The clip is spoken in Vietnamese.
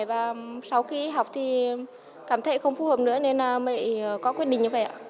và sau khi học thì cảm thấy không phù hợp nữa nên mới có quyết định như vậy ạ